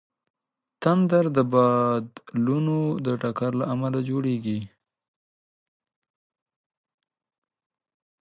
تندر د بادلونو د ټکر له امله جوړېږي.